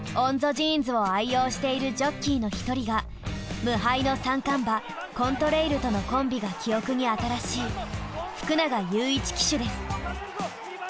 ジーンズを愛用しているジョッキーの１人が無敗の三冠馬コントレイルとのコンビが記憶に新しい福永祐一騎手です。